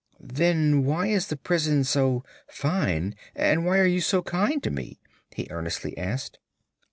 "Then why is the prison so fine, and why are you so kind to me?" he earnestly asked.